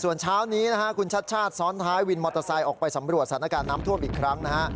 ส่วนเช้านี้นะฮะคุณชัดชาติซ้อนท้ายวินมอเตอร์ไซค์ออกไปสำรวจสถานการณ์น้ำท่วมอีกครั้งนะฮะ